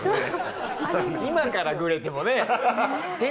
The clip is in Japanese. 今からグレてもね。